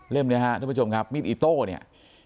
เล่มนี้ฮะทุกผู้ชมครับมีดอิโต้เนี่ย